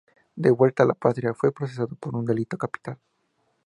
De vuelta a la patria, fue procesado por un delito capital.